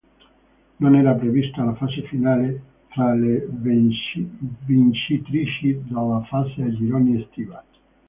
Non era prevista la fase finale fra le vincitrici della fase a gironi estiva.